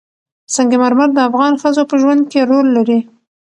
سنگ مرمر د افغان ښځو په ژوند کې رول لري.